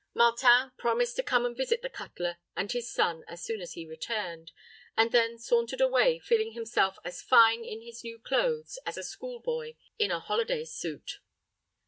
Martin promised to come and visit the cutler and his son as soon as he returned, and then sauntered away, feeling himself as fine in his new clothes as a school boy in a holiday suit.